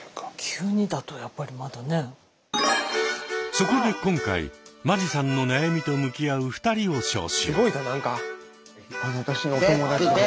そこで今回間地さんの悩みと向き合う２人を招集。